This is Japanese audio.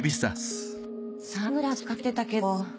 サングラスかけてたけど。